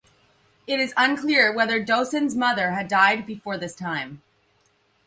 It is unclear whether Doson's mother had died before this time.